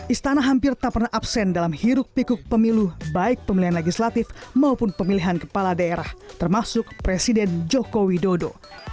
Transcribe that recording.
istana hampir tak pernah absen dalam hiruk pikuk pemilu baik pemilihan legislatif maupun pemilihan kepala daerah termasuk presiden joko widodo